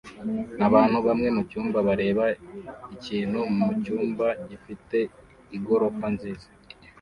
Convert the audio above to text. Abantu bamwe mucyumba bareba ikintu mucyumba gifite igorofa nziza